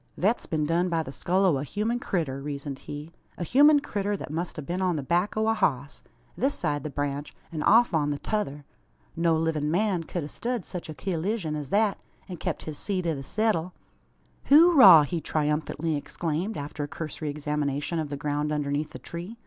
"Thet's been done by the skull o' a human critter," reasoned he "a human critter, that must a been on the back o' a hoss this side the branch, an off on the t'other. No livin' man ked a stud sech a cullizyun as thet, an kep his seat i' the seddle. "Hooraw!" he triumphantly exclaimed, after a cursory examination of the ground underneath the tree.